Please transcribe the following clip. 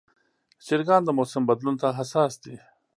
چرګان د موسم بدلون ته حساس دي.